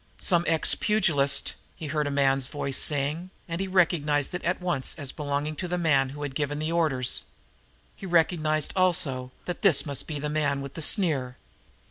"Some ex pugilist," he heard a man's voice saying, and he recognized it at once as belonging to him who had given the orders. He recognized, also, that it must be the man with the sneer.